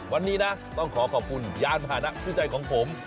วันนี้นะต้องขอขอบคุณยานผ่านะคู่ใจของผม